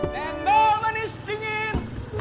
cendol manis dingin